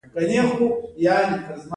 دوی به یو کار هم په اسانۍ پیدا نه کړي